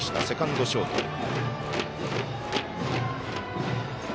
セカンド、ショート。